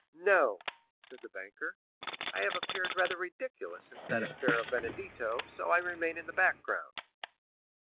"No," said the banker; "I have appeared rather ridiculous since that affair of Benedetto, so I remain in the background."